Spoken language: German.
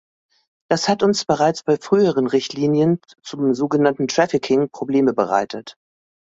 Das hat uns bereits bei früheren Richtlinien zum so genannten trafficking Probleme bereitet.